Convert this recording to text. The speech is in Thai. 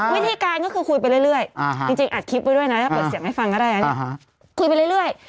วิธีการก็คือคุยไปเรื่อยจริงอัดคลิปไว้ด้วยนะถ้าเปิดเสียงให้ฟังก็ได้นะคุยไปเรื่อย